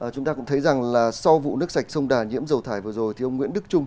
chúng ta cũng thấy rằng là sau vụ nước sạch sông đà nhiễm dầu thải vừa rồi thì ông nguyễn đức trung